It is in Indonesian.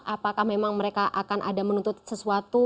apakah memang mereka akan ada menuntut sesuatu